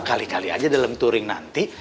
kali kali aja dalam touring nanti